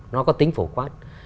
nó có tính phổ khoát